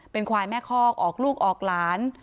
เป็นควายแม่คอกออกลูกออกหลาน